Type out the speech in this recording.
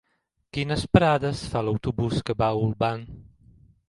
Quines parades fa l'autobús que va a Olvan?